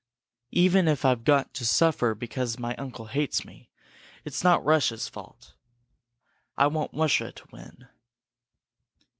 Even if I've got to suffer because my uncle hates me, it's not Russia's fault. I want Russia to win."